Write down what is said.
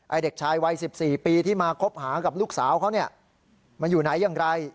เด็กชายวัย๑๔ปีที่มาคบหากับลูกสาวเขาเนี่ยมันอยู่ไหนอย่างไร